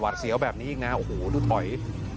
หวัดเสียว่าแบบนี้นะโอ้โหลูกปล่อย